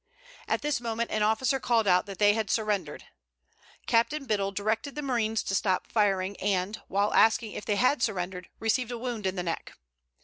At this moment an officer called out that they had surrendered. Captain Biddle directed the marines to stop firing and, while asking if they had surrendered, received a wound in the neck.